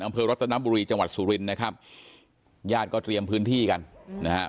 อำเภอรัตนบุรีจังหวัดสุรินนะครับญาติก็เตรียมพื้นที่กันนะฮะ